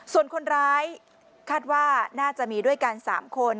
ส่วนคนร้ายคาดว่าน่าจะมีด้วยกัน๓คน